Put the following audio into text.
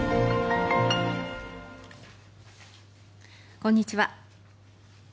こんにちは。